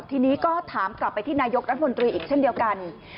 ทีนี้ก็ถามกลับไปที่นายกรัฐมนตรีอีกเช่นเดียวกัน